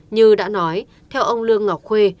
như đã nói theo ông lương ngọc khuê